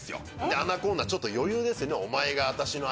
アナコンダちょっと余裕ですよ。